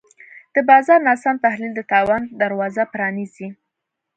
د بازار ناسم تحلیل د تاوان دروازه پرانیزي.